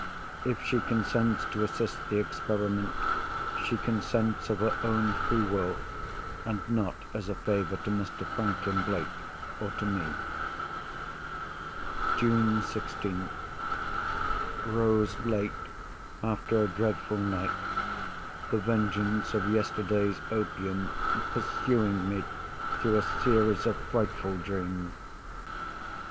If she consents to assist the experiment, she consents of her own free will, and not as a favour to Mr. Franklin Blake or to me. June 16th.—Rose late, after a dreadful night; the vengeance of yesterday's opium, pursuing me through a series of frightful dreams.